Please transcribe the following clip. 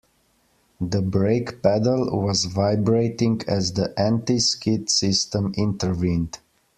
The brake pedal was vibrating as the anti-skid system intervened.